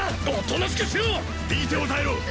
おとなしくしろ！